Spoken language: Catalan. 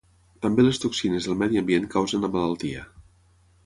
També les toxines del medi ambient causen la malaltia.